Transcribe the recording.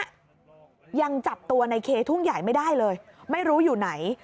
ยังจับตัวในเคทุ่งใหญ่ไม่ได้เลยไม่รู้อยู่ไหน